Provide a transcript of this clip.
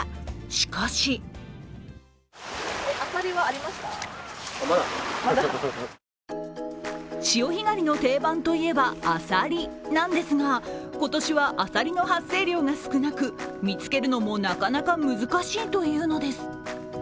しかし潮干狩りの定番といえばあさりなんですが、今年はあさりの発生量が少なく見つけるのもなかなか難しいというのです。